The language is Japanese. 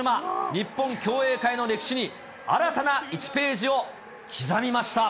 日本競泳界の歴史に新たな１ページを刻みました。